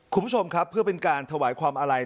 คุณผู้ชมครับเพื่อเป็นการถวายความอาลัย